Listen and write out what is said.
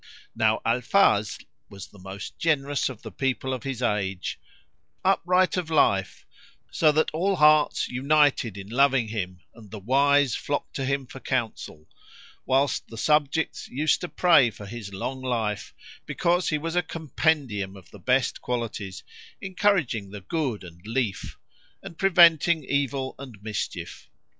Now Al Fazl was the most generous of the people of his age, upright of life, so that all hearts united in loving him and the wise flocked to him for counsel; whilst the subjects used to pray for his long life, because he was a compendium of the best qualities, encouraging the good and lief, and preventing evil and mischief.